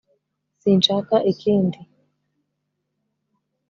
sinshaka ikindi